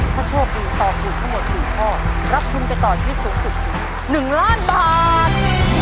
ถ้าโชคดีตอบถูกทั้งหมด๔ข้อรับทุนไปต่อชีวิตสูงสุดถึง๑ล้านบาท